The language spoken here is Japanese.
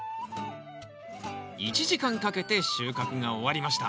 １時間かけて収穫が終わりました